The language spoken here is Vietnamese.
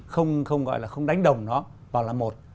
không gọi là không đánh đồng nó vào là một